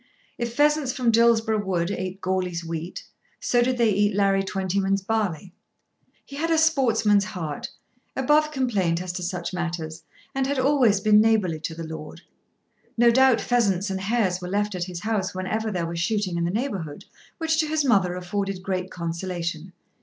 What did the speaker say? If pheasants from Dillsborough Wood ate Goarly's wheat, so did they eat Larry Twentyman's barley. He had a sportsman's heart, above complaint as to such matters, and had always been neighbourly to the lord. No doubt pheasants and hares were left at his house whenever there was shooting in the neighbourhood, which to his mother afforded great consolation.